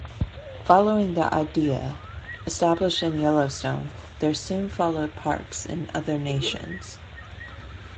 Following the idea established in Yellowstone, there soon followed parks in other nations.